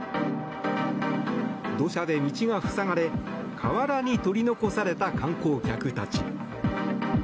土砂で道が塞がれ河原に取り残された観光客たち。